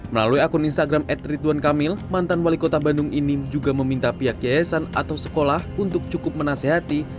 melalui akun instagram at ridwan kamil mantan wali kota bandung ini juga meminta pihak yayasan atau sekolah untuk cukup menasehati